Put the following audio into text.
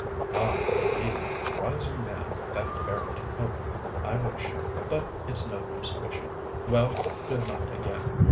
"Ah, indeed. Rising man, that Barrington Hope. I wish—but it's no use wishing. Well, good night again!